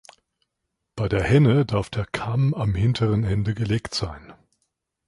Bei der Henne darf der Kamm am hinteren Ende gelegt sein.